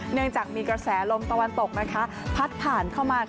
เนื่องจากมีกระแสลมตะวันตกพัดผ่านเข้ามา